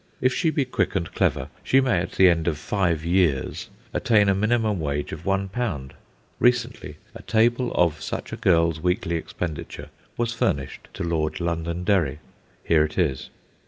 If she be quick and clever, she may, at the end of five years, attain a minimum wage of one pound. Recently a table of such a girl's weekly expenditure was furnished to Lord Londonderry. Here it is:— s.